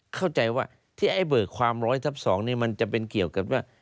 เข้าใจว่าที่ไอ้เบิกความ๑๐๐ทับ๒นี่มันจะเป็นเกี่ยวกับว่า